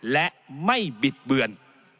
และไม่บิดเบือน